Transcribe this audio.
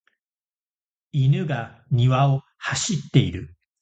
犬が庭を走っている。